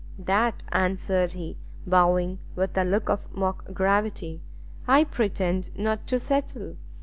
"That," answered he, bowing, with a look of mock gravity, "I pretend not to settle!